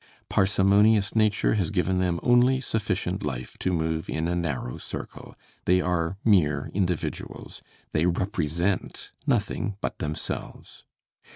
Parsimonious nature has given them only sufficient life to move in a narrow circle; they are mere individuals; they represent nothing but themselves.